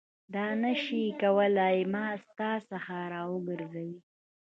دا نه شي کولای ما ستا څخه راوګرځوي.